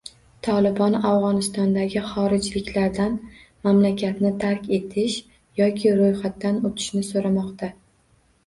“Tolibon” Afg‘onistondagi xorijliklardan mamlakatni tark etish yoki ro‘yxatdan o‘tishni so‘ramoqda